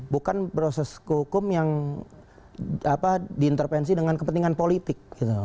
bukan proses hukum yang diintervensi dengan kepentingan politik